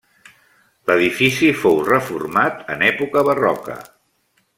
L'edifici fou reformat en època barroca.